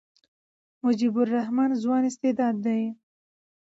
مجيب الرحمن ځوان استعداد دئ.